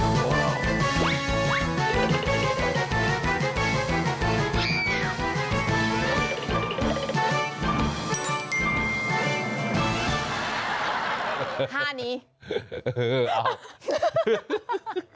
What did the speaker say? ฮ้านี้